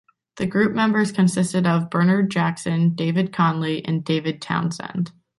The groups members consisted of Bernard Jackson, David Conley and David Townsend.